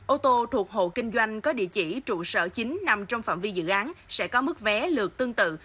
ô tô thuộc hộ kinh doanh có địa chỉ trụ sở chính nằm trong phạm vi dự án sẽ có mức vé lượt tương tự